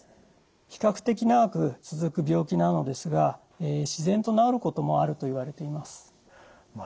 比較的長く続く病気なのですが自然と治ることもあるといわれています。